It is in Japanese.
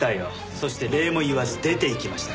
そして礼も言わず出て行きました。